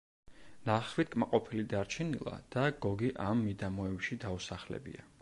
ნახვით კმაყოფილი დარჩენილა და გოგი ამ მიდამოებში დაუსახლებია.